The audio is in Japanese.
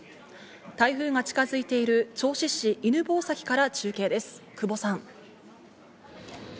台風が近づいている銚子市・犬吠埼から中継です、久保さん。